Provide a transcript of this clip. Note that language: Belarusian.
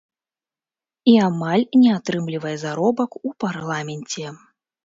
І амаль не атрымлівае заробак у парламенце.